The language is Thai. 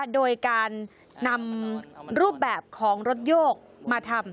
โดยการนำรูปแบบของรถโยกมาทำ